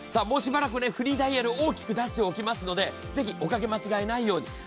もうしばらくねフリーダイヤル大きく出しておきますのでぜひおかけ間違えないように。